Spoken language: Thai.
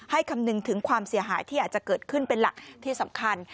คำนึงถึงความเสียหายที่อาจจะเกิดขึ้นเป็นหลักที่สำคัญ